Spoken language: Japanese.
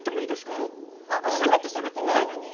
しゃべってしゃべってなになに？